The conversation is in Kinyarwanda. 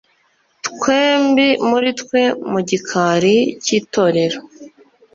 “twembi muri twe mu gikari cy'itorero,